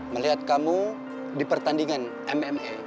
melihat kamu di pertandingan mma